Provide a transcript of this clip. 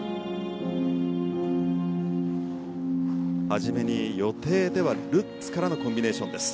初めに予定ではルッツからのコンビネーションです。